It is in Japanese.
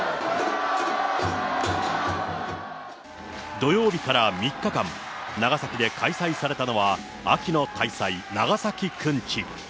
土曜日から３日間、長崎で開催されたのは秋の大祭、長崎くんち。